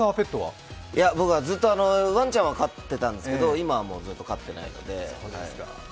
僕はずっとワンちゃんを飼っていましたけど今はもうずっと飼ってないので。